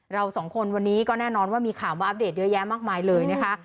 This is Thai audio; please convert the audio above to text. เราสองคนวันนี้ก็แน่นอนว่ามีข่าวมาอัปเดตเยอะแยะมากมายเลยนะคะ